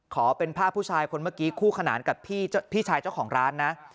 ขอเป็นภาพผู้ชายคนเมื่อกี้คู่ขนานกับพี่ชายเจ้าของร้านนะ